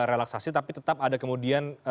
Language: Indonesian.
relaksasi tapi tetap ada kemudian